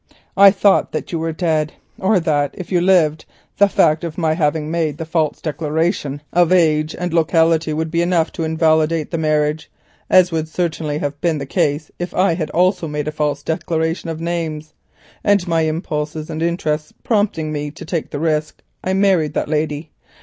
I thought that you were dead, or that if you lived, the fact of my having made the false declaration of age and locality would be enough to invalidate the marriage, as would certainly have been the case if I had also made a false declaration of names; and my impulses and interests prompting me to take the risk, I married that lady.